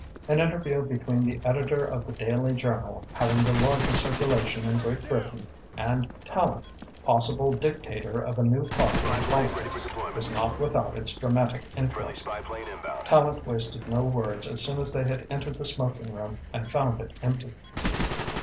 An interview between the editor of the daily journal having the largest circulation in Great Britain and Tallente, possible dictator of a new party in politics, was not without its dramatic interest. Tallente wasted no words as soon as they had entered the smoking room and found it empty.